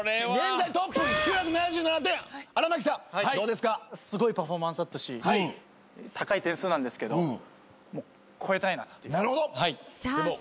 すごいパフォーマンスだったし高い点数なんですけど超えたいなっていう。